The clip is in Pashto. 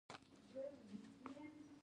ناڅاپه اسامه په ایبټ آباد کې پیدا شو.